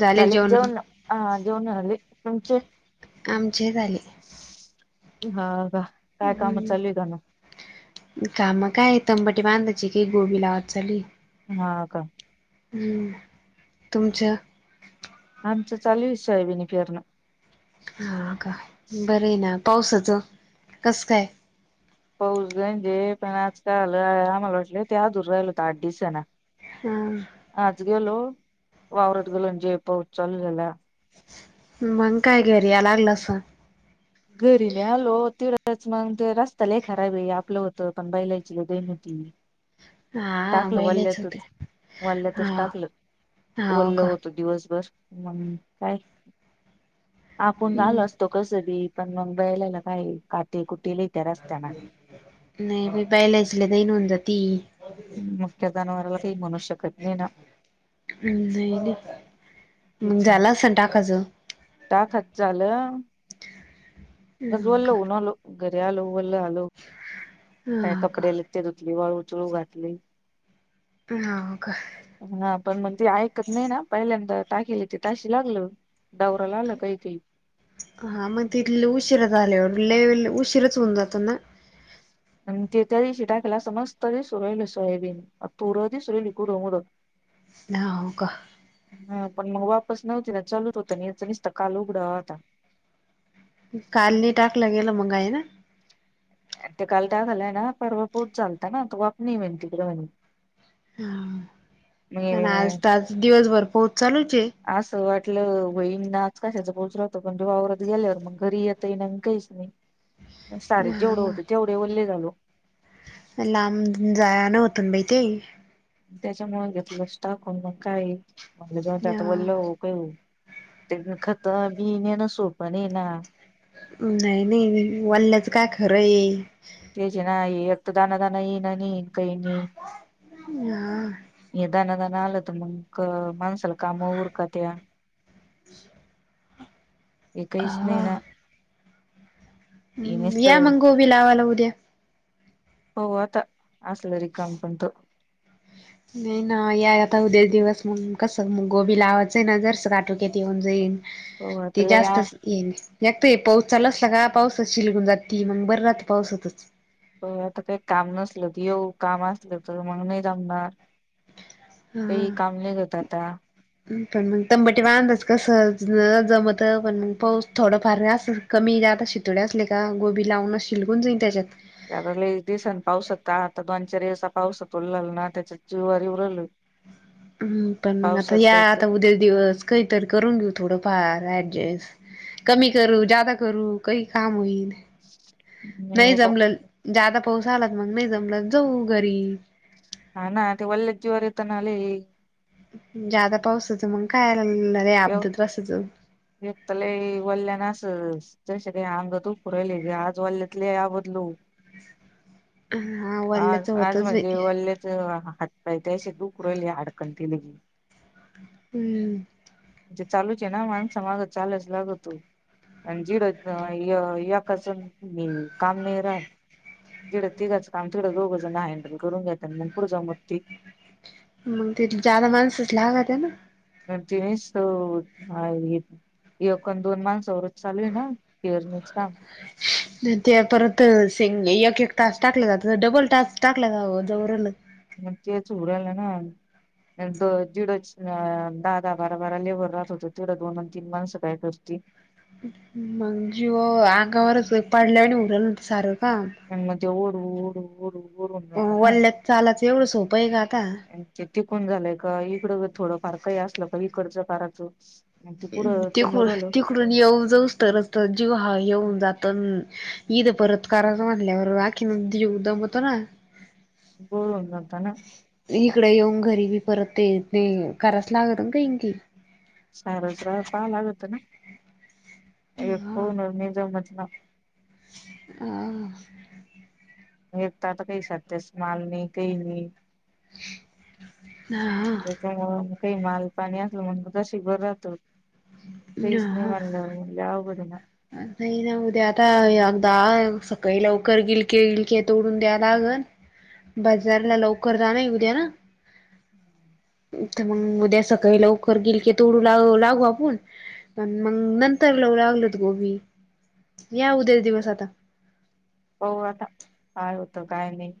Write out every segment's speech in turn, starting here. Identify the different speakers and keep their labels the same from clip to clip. Speaker 1: झाले
Speaker 2: झाली
Speaker 1: जेवण
Speaker 2: जेऊन. हा जेऊन झाली तुमचे.
Speaker 1: आमचे झाले.
Speaker 2: हा का काय काम चालूल
Speaker 1: हम्म
Speaker 2: का नू.
Speaker 1: काम काय तंबाटी बांधायची काई गोबी लावाची चालूय.
Speaker 2: हा का?
Speaker 1: हम्म तुमचं.
Speaker 2: आमचं चालूये सायबीनी पेरणं.
Speaker 1: हा का बरं आहे ना पावसाचं कसं काय?
Speaker 2: पाऊस गणजे पण आज काय झालं आम्हाला वाटले ते अधूर राहिल होत आठ दिसांन.
Speaker 1: हा.
Speaker 2: गेलो, वावरत गेलो, आणि जे पाऊत चालू झाला.
Speaker 1: मंग काय घरी या लागलसन.
Speaker 2: घरी नाही आलो तीड तेच मग ते रस्त लई खराबे आपलं होतं पण बैलाची लई दईन होती.
Speaker 1: हा
Speaker 2: टाकलं
Speaker 1: बैलेच होते
Speaker 2: वाल्ल्यातच वल्ल्यातच
Speaker 1: हा
Speaker 2: टाकलं.
Speaker 1: हाव
Speaker 2: वल्ल
Speaker 1: का
Speaker 2: होत दिवसभर. मग काय? आपण आलो असतो कस बी. पण मग बेलाला काये काट कुटे लय त्या रस्त्याना
Speaker 1: नाही बाई बायलाची लई दईन होउन जाती.
Speaker 2: मुक्या जनावराला काही म्हणू शकत नाही ना.
Speaker 1: नाही नाही मग झालं असन टाकाच.
Speaker 2: टा खच झालं.
Speaker 1: हा
Speaker 2: गजवलो
Speaker 1: का
Speaker 2: होउन आलो घरी आलो.. वल्ल झालो काय
Speaker 1: हा का
Speaker 2: कपडे्या लते धुतली वाळू चळू घातली.
Speaker 1: हा का
Speaker 2: हा पण म ते ऐकत नाही ना पहिल्यांतर. टाकीले ते ताशी लागल.
Speaker 1: हा म तेथल उ उशीरा झाल्यावर लय उशीरच होऊन जातो ना.
Speaker 2: अनं ते त्या दिवशी टाकेल असं मस्त दिसू राहिलं सोयाबीन आणि तुर दिसू राहीली कुडमुड.
Speaker 1: हाव का?
Speaker 2: हा पण मग वापस नव्हती ना चालूच होत न याच नुसत काल उघडा होता.
Speaker 1: काल नय टाकलं गेलं मंग हाय ना.
Speaker 2: ते काल टाकालाय ना, परवा पाऊस झालता ना, त वाप नई म्हनी तिकड म्हणी.
Speaker 1: हा पण आज त आज दिवसभर पाऊस चालूचंये.
Speaker 2: म्हटलं वहिन ना आज कशाचा पाऊस राहतो पण ते वावरात गेल्यावर मंग ते घरी येता येईना आणि काईच नाय. सार जेवढं
Speaker 1: हा
Speaker 2: होते तेवढे ओल्ले झालो.
Speaker 1: लांब जाया न होत बाई ते.
Speaker 2: त्याच्यामुळे घेतलं स्टाकन मग काय म्ह ज त्यात बोललं हो काय हो. ते खतबी नसो पण ये ना.
Speaker 1: नाही नाही वाल्ल्याचं काय खरं आहे.
Speaker 2: तेजे एक त दाना दाना येईन ना नी कय नय
Speaker 1: हा.
Speaker 2: य दाना दाना नाय आल तर मंग माणसाला काम उरकत्या.
Speaker 1: [inaudible]
Speaker 2: एकहीसं नाही ना.
Speaker 1: हूं या मंग गोभी लावाला उद्या.
Speaker 2: हो आता असल रीकम पण तो
Speaker 1: नाई ना याय आता उद्या दिवस मग कसं गोबी लावायचं न जरसकं आटोक्यात येऊन जाईन.
Speaker 2: पाहू आता
Speaker 1: ते
Speaker 2: लय आ
Speaker 1: जास्तच येन एक त हे पाऊस चालू असला का पाऊस सिलगून जाती मंग बर राहत पावसातचं.
Speaker 2: अ आता काय काम नसल त येऊ काम असलं त मंग नाई जमणार.
Speaker 1: हा
Speaker 2: कई काम निघत आता.
Speaker 1: पण मंग तंबटी बांध च कसं ज जमतं पण मग पाऊस थोड फार आसनं कमी ते आता शितोळया असल्या का गोबी लावूनचं शिलगून जाईन त्याच्यात.
Speaker 2: आता लई दिसन पाऊस होता आता दोन चार दिवसा पावसात उलला ना त्याच्या जिवार येवू राहल
Speaker 1: हम्म पण मंग आता या
Speaker 2: जायचं
Speaker 1: आता उद्या दिवस काईतरी करून घेऊ थोडंफार. ऍडजेस्ट कमी करू जादा करू कही काम होईल.
Speaker 2: नाही
Speaker 1: नही
Speaker 2: येतो
Speaker 1: जमलंल जादा पाऊस आला त मंग नाई जमल त जाऊ घरी
Speaker 2: हा ना ते वल्ले जीवावर येत ना लय.
Speaker 1: जादा पाऊसाच मंग काय आला आपदत बसायचं
Speaker 2: एक एक तला वल्ल्या न अस ज काय अंग दुखू रायलंय या आज वल्यात लय आबदलो.
Speaker 1: हा
Speaker 2: आज
Speaker 1: वल्ल्याच
Speaker 2: आज
Speaker 1: होतच
Speaker 2: म्हणजे
Speaker 1: बाई
Speaker 2: वल्ल्याच माझे त्या दिशीच दुखु राहिले हाडकंनं ते लगी
Speaker 1: हूं
Speaker 2: जे चालूच हे ना माणसामागचं चालुच लागतो आणि झी ड य एकाच मी काम नाय राहत जिड तिघाच काम तिड दोघच म हँडल करून घेतात पण मंग कुड जमत
Speaker 1: मंग तिथ जादा माणसच लागात्या ना.
Speaker 2: ते निसत नाय एक दोन माणस माणसावरच चालूये ना पेरणीच काम.
Speaker 1: लय एक एक टास्क टाकला जात होता डबल टास्क टाकला जावं जावू राहल.
Speaker 2: मंग तेच होऊ रायल ना. नाय त जिडं च अ दहा दहा बारा बारा लेबर राहत होत तिढं दोन आणि तीन माणसं काय करती.
Speaker 1: मंग जीवावर अंगावरच पाडल्या वानी होऊ रायलं ना ते सारं.
Speaker 2: अणि मंग मं ते ओडू ओडू ओडू
Speaker 1: हो वल्ल्यात चालाच एवढं होत
Speaker 2: ते टिकून झालंय का इकडं थोडं फार काही असल का इकडच परतूच
Speaker 1: तिकड तिकडून येऊ जाऊ तरच जीव हा हे हुन जात ईद परत करायच म्हणल्यावर राखीन जीव दम तो ना
Speaker 2: हो दमतो ना
Speaker 1: घरीबी परत ते ते करायच लागत ना काही न काही
Speaker 2: सारस रा पाहा लागत ना
Speaker 1: हा.
Speaker 2: फोन वर नि जमत [unintelligible]
Speaker 1: हा.
Speaker 2: एक त आता काय साततेस माल नाई काय नाई.
Speaker 1: हा
Speaker 2: त्याच्यामुळ काय माल पाणी म्हण शिभर राहतो तेच नाही
Speaker 1: हा
Speaker 2: म्हनलं म्हणल्या लय अवघड आहे ना
Speaker 1: नाही ना उद्या, आता अगदा सकाळी लवकर गिलके गिलके तोडून द्याव लागल बाजारला लवकर जाहण उद्याना
Speaker 2: [inaudible]
Speaker 1: तर मग उद्या सकाळी लवकर गेली की तोडू ला लागू आपण, पण मग नंतर लाव लागलत गोबी या उद्याचा दिवस आता.
Speaker 2: हो आता, काय होतं काय नाही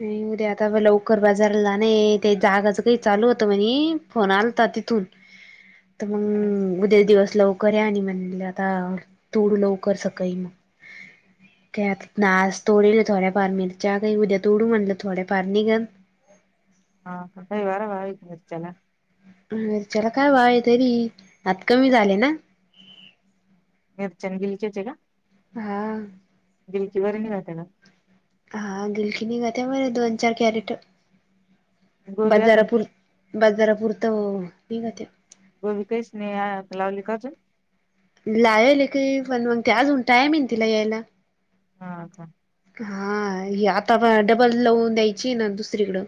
Speaker 1: नाही उद्या आता लवकर बाजारला जा नाही ते जागाच काही चालू होतं म्हणे फोन आलत तिथून तर मग, उद्याचा दिवस लवकर या, आणि म्हणले आता तोडू लवकर सकाळी मग
Speaker 2: [inaudible]
Speaker 1: त्यात नाश तोडीले थोड्या फार मिरच्या काही उद्या तोडू म्हणलं थोडे फार निघल
Speaker 2: हा रविवार आहे मिरच्याला
Speaker 1: अ चला काय बाय तरी, आत कमी झाले ना.
Speaker 2: अडचन गिली चच आहे का?
Speaker 1: हां
Speaker 2: गिरकी वरण भातला
Speaker 1: हा गिल कि निगते म्हणे दोन, चार कॅरेट
Speaker 2: गोबी अजून
Speaker 1: बाजारापर, बाजारापुरतं निगते
Speaker 2: गो विकस नाही लावली का अजून
Speaker 1: लायल काही, पण मग ते आजन टायम आहे न तिला यायला.
Speaker 2: हा का?
Speaker 1: हा, आता डबल लावून द्यायची ना दुसरीकडं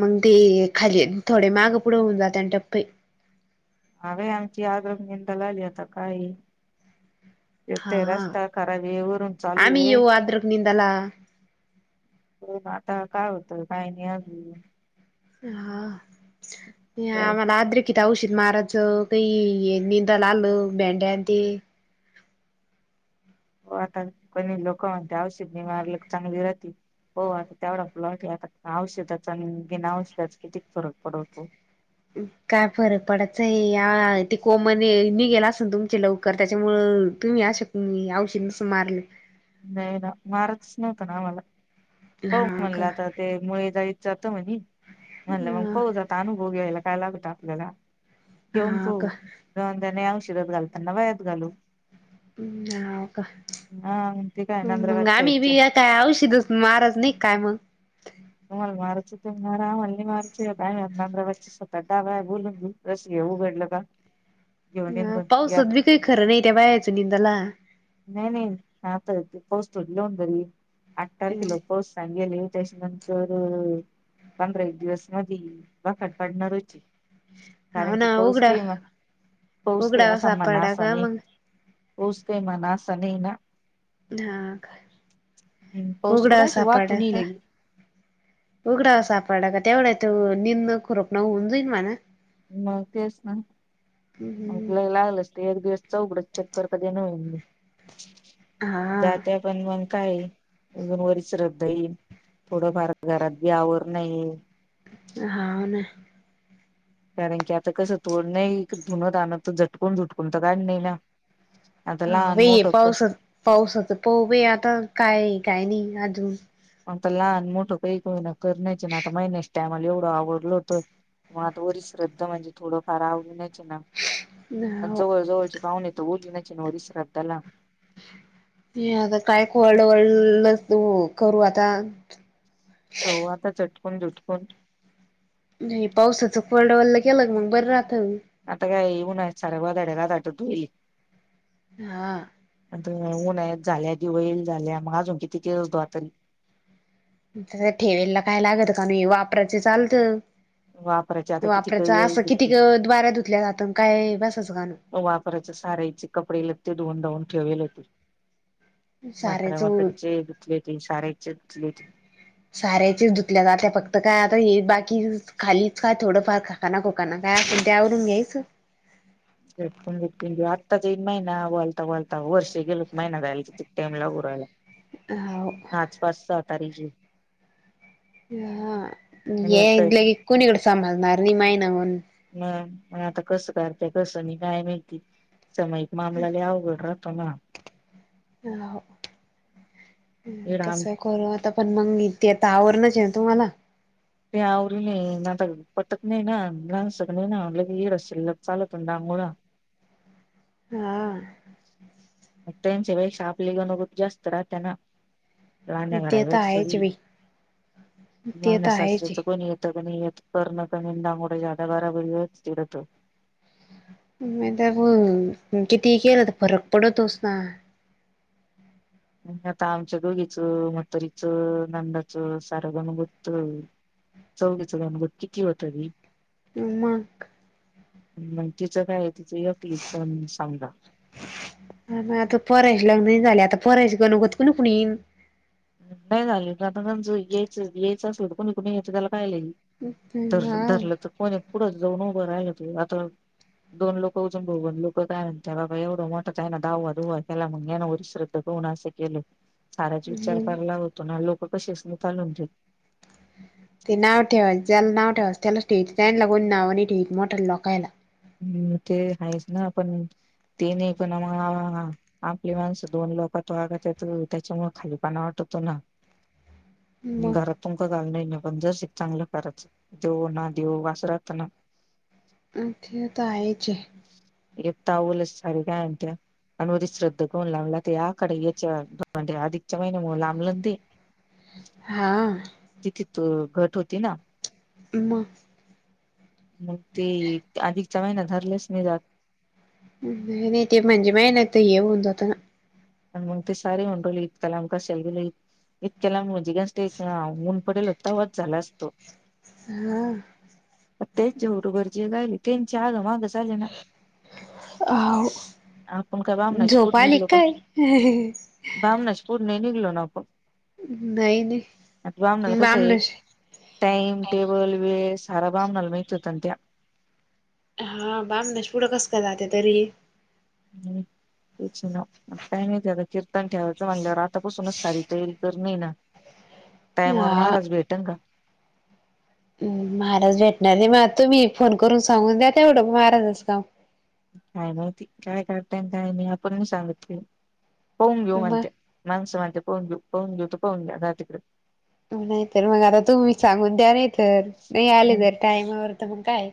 Speaker 1: मग ते खाली थोडे, मागं पुढे होऊन जात आणि टप्पे
Speaker 2: हवे आमची आद्रक निंदा ला आली आता काय एकतर
Speaker 1: हा.
Speaker 2: रस्ता करावी, वरून चालू
Speaker 1: आम्ही
Speaker 2: ये
Speaker 1: येऊ अद्रक निंदाला
Speaker 2: हो आता काय होतं, काही नाही अजून
Speaker 1: हा आम्हाला आद्रिक कि ते औषध मारायच, काही निंदाला आलं भेड्या आणि ते
Speaker 2: हो आता, कोणी लोकं म्हणते औषध नि मारल कि चांगली राहती. हो आता त्यावढ आपला वाटलं, आता औषधाचा घेण औषधाचा कितीक फरक पडवतो.
Speaker 1: काय फरक पडायच आहे, या ते कोमने निघेला अस ना तुमचे लवकर त्याच्यामुळ तुम्ही अशक औषध नसलं मारलं
Speaker 2: नाही ना, मारतच नव्हत ना आम्हाला, हो
Speaker 1: हा
Speaker 2: म्हणलं
Speaker 1: का
Speaker 2: आता त्यामुळे जात म्हणे म्हणलं मग पाहु जात अनुभव घ्यायला काय लागतं आपल्याला जेऊम
Speaker 1: हा का
Speaker 2: पाहु, जाऊ त्याने उशरात घालताना वयात घालू.
Speaker 1: होव का,
Speaker 2: हा मग ते काय नंद्राबाद
Speaker 1: मंग आमि बी
Speaker 2: साईडच्या
Speaker 1: काय औ माराज नाही काय मग?
Speaker 2: मम मारच त मरा, आमल्ली मारच मच ता बलून रस उघडलं का? घेऊन येईन
Speaker 1: हा,
Speaker 2: पण यात
Speaker 1: पावसात बी काही खरं नाही त्या बायाच निंदला.
Speaker 2: नाही नाही, आता ते पाऊस तोटले होन तरी, आठ तारखेला पाऊस चांगेले त्याच्यानंतर, पंधरा एक दिवस मधी, बकड पडणार होची
Speaker 1: हाव
Speaker 2: कारण
Speaker 1: ना
Speaker 2: की पौस
Speaker 1: उघडा
Speaker 2: काही म, पौस काही
Speaker 1: उघडावा
Speaker 2: अस संंबना
Speaker 1: सापडला का
Speaker 2: असने.
Speaker 1: मग
Speaker 2: पऊस का म ना स नाही ना.
Speaker 1: हा
Speaker 2: हम्म,
Speaker 1: का
Speaker 2: पाऊस
Speaker 1: उघडा
Speaker 2: कुडाची
Speaker 1: सापड
Speaker 2: वाहतून येईल
Speaker 1: का
Speaker 2: लगी
Speaker 1: उघडा सापडला का तेवढा तो निंदन खरोप न होऊन जाईल म्हणा
Speaker 2: मग तेच ना मग तला लागलच ते एक दिवस चौघडच चक्कर कधी नल म
Speaker 1: हा
Speaker 2: जात पण काय अजून वरच श्रद्धा येईल थोडंफार घरात गवर नाही
Speaker 1: हा न.
Speaker 2: कारण की आता कसं तोड नाही धुनत आणनत तर झटकून झुटकून तर काय नाही ना. आता
Speaker 1: हा
Speaker 2: लहान
Speaker 1: वे आहे
Speaker 2: मोठं पण
Speaker 1: पाऊस पाऊसाच प वे आता काय काय नाही अजून
Speaker 2: मगता लहान मोठं काही को ना करण्याच ना आता महिनस टायमाला एवढं आवडल होत. ग आता वरी श्रद्धा म्हणजे थोडंफार आवडी नाही.
Speaker 1: हो
Speaker 2: जवळ जवळची पाहुून येत ओली नची ना वि श्रादाला
Speaker 1: आता काय वर्ड व करू आता
Speaker 2: जवाता चटकून झुटकून
Speaker 1: नाही पावसाचकलडवल्लं केलं मग बर राह.
Speaker 2: आता काय येऊन सार गधड्या रा दाटतईली
Speaker 1: हा.
Speaker 2: उनत झाल्या की वईल झाल्या मग अजून किती केस द तरी
Speaker 1: ठेवेलला काय लागत का नाही वापरायचं चालतं.
Speaker 2: वापरायचे आता किती
Speaker 1: वापरायच
Speaker 2: वेळेस
Speaker 1: असं किती
Speaker 2: धुतले
Speaker 1: द्वारा धुतल्या जातं काय बसचं गाणं.
Speaker 2: वापरायच्या सारायचे कपडे लगते धुवून धावून ठेवेल होती. मातराा
Speaker 1: सारेच
Speaker 2: मातरीचे दुखले ते साराचे दुखले.
Speaker 1: साऱ्याचीच धुतल्या जाते फक्त काय आता हे बाकी बा खालीच का थोडंफार खकाना खोकाना काय त्यावरून घ्यायच.
Speaker 2: चकूनून आत्ताचन महिना वळता वळता वर्ष गेलोत महिना जायला तिथ टाम लागून
Speaker 1: हाव
Speaker 2: आसपास सातारी जी.
Speaker 1: हा ये इथलं की कोणीकडे सभालणार नाही माहिना म्हून
Speaker 2: ह म आता कस करतेय कसं नाही काय माहिती समायिक मामलाला अवघड रा तला
Speaker 1: अ
Speaker 2: इड
Speaker 1: कस
Speaker 2: आम
Speaker 1: करू आता. पण मग इ ते आता आवरणच आहे ना तुम्हाला
Speaker 2: तेवरि नाही माातागत पटत नाही ना लहान सग नाही ना म्हलं ईड असेल चालतण डांगोळा
Speaker 1: हा.
Speaker 2: म त्यांच्या व शापली ग नत जास्त राहतेना. राहण्या घरा
Speaker 1: ते तर
Speaker 2: वेच व
Speaker 1: आहेच बाई ते तर आहेच
Speaker 2: वाहण्याशास्त्राच
Speaker 1: आहे
Speaker 2: कोणी येत. णत म्हंदा कठ जातकाार वत
Speaker 1: नाही ब किती केलं तर फरक पडतोस ना.
Speaker 2: आता आमच्या दोघीचं मतरीचं नंदाचं सार गणुभूतच चौकीचं गणगत किती होती.
Speaker 1: हमा.
Speaker 2: मग तिचं काय? तिथ यक्लीच सांगा.
Speaker 1: झा आता परायच गण होत कु कुणी येन.
Speaker 2: नाही झाले ज यायच यायचं असल कोणी कोणी यायचं त्याला. धर
Speaker 1: हा
Speaker 2: धरलं तर कोणी पुढं जाऊन उभं राहिलं आता. दोन लोकं उजून बघून लोकं काय म्हणत बाबा एवढं मोठंच आहे ना धावा धुवा केला म्हग ना वर श्रद्धा. कोण असं केलं साराच विचार. हो ना लोक कसेच म लून देत.
Speaker 1: ते नाव ठेवा ज्याला नाव ठेवास त्यालाच ठेवा त्या लागून नाव आणि ठेवत मोठ लोकायला.
Speaker 2: हम्म ते आहेच ना आपण. ते नाही पण आपली माणसं दोन लोक तो आगत त्याच्यामुळे खालीपण वाटत. तुना
Speaker 1: मग
Speaker 2: घरात तुम घाल नाही. पण ज चांगलं करायचं देव ना देव वासरता ना.
Speaker 1: [unintelligible]
Speaker 2: एक तवलच सारे काय आणत्या. अनवरदी श्रद्ध पाहून लागलं त्या आखाड अधिकच्या महिन्यामुळे लांबला ना मग ते.
Speaker 1: हां
Speaker 2: त घट होती ना.
Speaker 1: मग
Speaker 2: मग ते अधिकच्या महिना धरलेच नाही जात.
Speaker 1: नाही नाही ते म्हणजे महिन्यात हे होऊन जात ना.
Speaker 2: आणि मग ती सारी म्हंडली इतक्या लांब कशाला दिली इतक्या लांबून ऊन पडेल होत्तावत झाला असतो.
Speaker 1: हां
Speaker 2: [unintelligible] चाले ना
Speaker 1: हा हो
Speaker 2: आपण का बामनाचा
Speaker 1: झोप
Speaker 2: पोटी
Speaker 1: आली
Speaker 2: निघलो का?
Speaker 1: काय
Speaker 2: बामनाच्या पोटी नाही निघलो ना आपण?
Speaker 1: नाही नाही
Speaker 2: बामणाला कस आहे
Speaker 1: बामनश
Speaker 2: टाइम टेबल वेस्ट सारं बामनाला माहित होतं ना त्यात.
Speaker 1: हा बामनयचंयपुढं कस का जाते तरी.
Speaker 2: ते [inaudible] काय नाहीती आता कीर्तन ठेवायचं महल्यावर आतापासूनच सारी तयारी करणे हे ना. टायमवर
Speaker 1: हा
Speaker 2: महाराज भेटेन का?
Speaker 1: महाराज भेटणार नाही म तुम्ही फोन करून सांगून द्या तेवढं महाराजच.
Speaker 2: काय मायती काय काताय काय नाही आपण सांगतले. पाहून घेऊ
Speaker 1: मग
Speaker 2: म्हणते्या माणसं म्हणते पाहून घेऊ तर पाहून घ्या जा तिकडे.
Speaker 1: नाहीतर मग आता तुम्ही सांगून द् तर नाही आले तर टायमावर तर मग काय?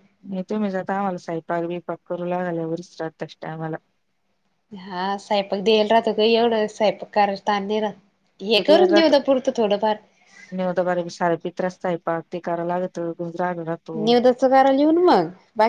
Speaker 2: कट करू लागले वर्ष श्राद्धाच्या टायमाला.
Speaker 1: हा सयपाक देयला राहतो का एवढं सयपाक करायचं ताण नाही राहत. हे करून देऊ द
Speaker 2: [unintelligible]
Speaker 1: पुरतं थोडंफार
Speaker 2: निवत पाणी सारा पितराचा स्वयंपाक. करा लागतं.
Speaker 1: निवदाच कार लिहून मग बाकी.